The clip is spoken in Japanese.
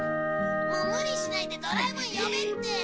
もう無理しないでドラえもん呼べって！